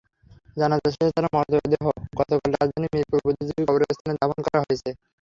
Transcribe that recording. জানাজা শেষে তাঁর মরদেহ গতকাল রাজধানীর মিরপুর বুদ্ধিজীবী কবরস্থানে দাফন করা হয়েছে।